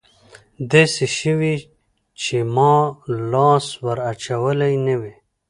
داسې شوي چې ما لاس ور اچولى نه وي.